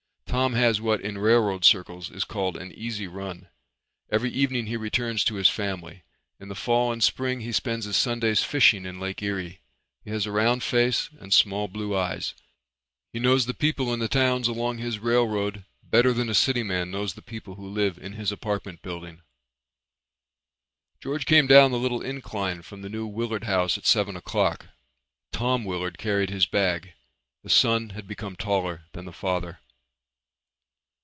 Tom has what in railroad circles is called an "easy run." Every evening he returns to his family. In the fall and spring he spends his Sundays fishing in Lake Erie. He has a round red face and small blue eyes. He knows the people in the towns along his railroad better than a city man knows the people who live in his apartment building. George came down the little incline from the New Willard House at seven o'clock. Tom Willard carried his bag. The son had become taller than the father.